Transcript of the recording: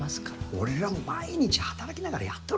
俺らも毎日働きながらやっとるんやて。